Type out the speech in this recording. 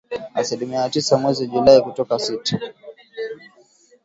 Asilimia tisa mwezi Julai kutoka sita.